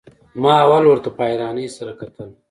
ما اول ورته په حيرانۍ سره کتل.